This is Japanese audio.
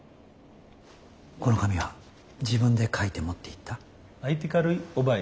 この紙は自分で書いて持っていった？